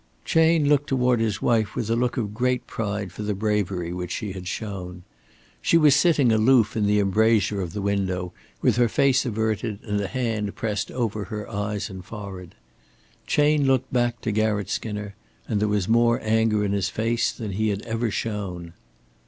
Chayne looked toward his wife with a look of great pride for the bravery which she had shown. She was sitting aloof in the embrasure of the window with her face averted and a hand pressed over her eyes and forehead. Chayne looked back to Garratt Skinner, and there was more anger in his face than he had ever shown.